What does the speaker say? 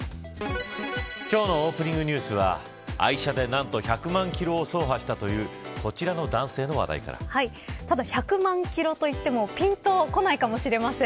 今日のオープニングニュースは愛車で何と１００万キロを走破したというただ１００万キロと言ってもぴんとこないかもしれません。